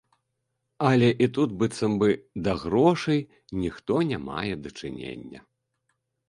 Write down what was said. Але і тут, быццам бы, да грошай ніхто не мае дачынення.